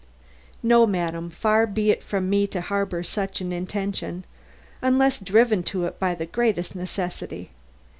"No, madam; far be it from me to harbor such an intention unless driven to it by the greatest necessity.